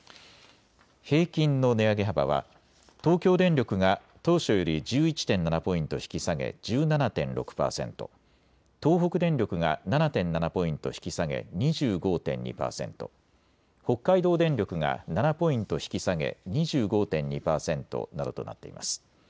平均の値上げ幅は東京電力が当初より１１．７ポイント引き下げ１７．６％、東北電力が７．７ポイント引き下げ２５．２％、北海道電力が７ポイント引き下げ２５．２％などとなっています。